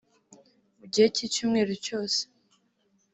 Mu gihe cy'icyumweru cyose